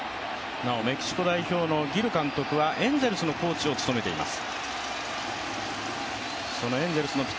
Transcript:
メキシコ代表のギル監督はエンゼルスのコーチを務めています。